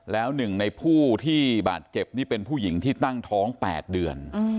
แล้วหนึ่งในผู้ที่บาดเจ็บนี่เป็นผู้หญิงที่ตั้งท้อง๘เดือน